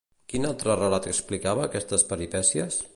Quin altre relat explicava aquestes peripècies?